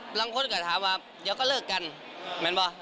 บางคนก็ถามว่าเดี๋ยวก็เลิกกันมันบ่ะ